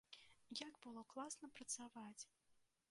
Як было класна працаваць!